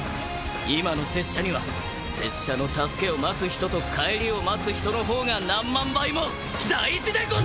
今の拙者には拙者の助けを待つ人と帰りを待つ人の方が何万倍も大事でござる！